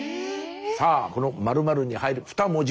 さあこの○○に入る二文字。